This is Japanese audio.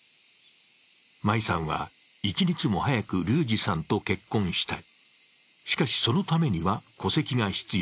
舞さんは一日も早く龍志さんと結婚したい。